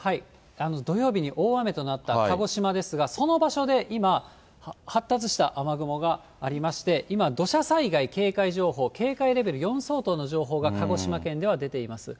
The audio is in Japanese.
土曜日に大雨となった鹿児島ですが、その場所で今、発達した雨雲がありまして、今、土砂災害警戒情報、警戒レベル４相当の情報が鹿児島県では出ています。